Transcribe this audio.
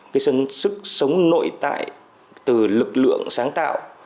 cái sức sống nội tại từ lực lượng sáng tạo